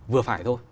vừa phải thôi